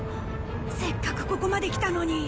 せっかくここまで来たのに。